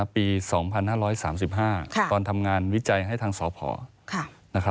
ปี๒๕๓๕ตอนทำงานวิจัยให้ทางสพ